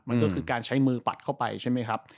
มันก็คือการใช้มือปัดเข้าไปใช่ไหมครับ